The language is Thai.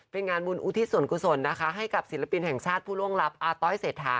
เป็นงานบุญอุทิศส่วนกุศลนะคะให้กับศิลปินแห่งชาติผู้ล่วงลับอาต้อยเศรษฐา